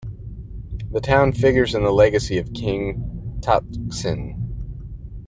The town figures in the legacy of King Taksin.